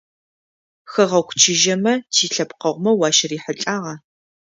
Хэгъэгу чыжьэмэ тилъэпкъэгъумэ уащырихьылӏагъа?